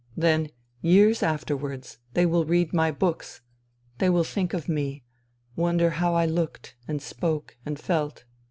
Then, years afterwards, they will read my books; they will think of me, wonder how I looked and spoke and felt.